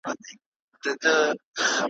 نه یې غم وو چي یې کار د چا په ښه دی ,